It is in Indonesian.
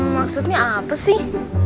maksudnya apa sih